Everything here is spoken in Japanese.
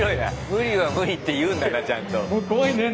無理は無理って言うんだねちゃんと。